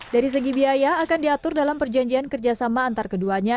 dari segi biaya akan diatur dalam perjanjian kerjasama antar keduanya